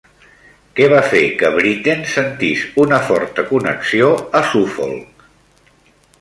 Què va fer que Britten sentís una forta connexió a Suffolk?